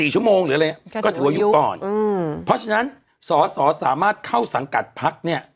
ชั่วโมงหรืออะไรก็ถือว่ายุบก่อนเพราะฉะนั้นสอสอสามารถเข้าสังกัดพักเนี่ย